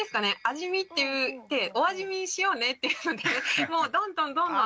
味見っていうお味見しようねっていうのでもうどんどんどんどん。